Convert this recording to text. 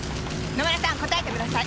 野村さん答えてください。